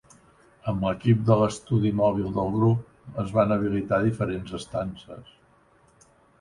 Amb l'equip de l'estudi mòbil del grup, es van habilitar diferents estances.